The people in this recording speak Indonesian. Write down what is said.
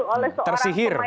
oleh seorang pemain